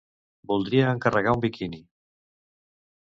Voldria encarregar un biquini.